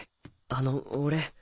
あの俺。